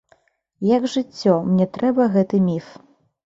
Як жыццё, мне трэба гэты міф.